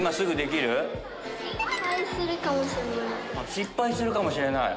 失敗するかもしれない？